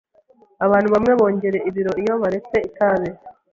Abantu bamwe bongera ibiro iyo baretse itabi.